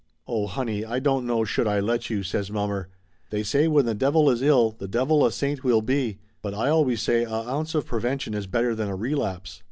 "Oh, honey, I don't know should I let you!" says mommer. "They say when the devil is ill the devil a saint will be, but I always say a ounce of prevention is better than a relapse